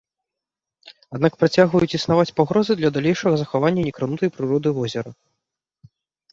Аднак працягваюць існаваць пагрозы для далейшага захавання некранутай прыроды возера.